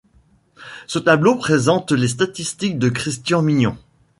Ce tableau présente les statistiques de Christian Mignon.